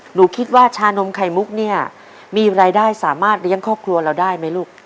หนูคิดว่าชานมไข่มุกเนี่ยมีรายได้สามารถเลี้ยงครอบครัวเราได้ไหมลูก